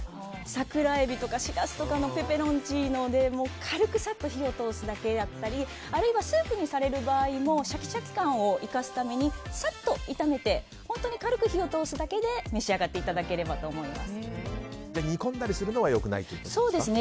桜エビとかシラスとかのペペロンチーノで軽くサッと火を通すだけだったりあるいはスープにされる場合もシャキシャキ感を生かすためにサッと炒めて本当に軽く火を通すだけで召し上がっていただければとじゃあ煮込んだりするのは良くないということですか？